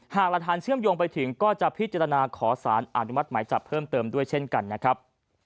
หลักฐานเชื่อมโยงไปถึงก็จะพิจารณาขอสารอนุมัติหมายจับเพิ่มเติมด้วยเช่นกันนะครับ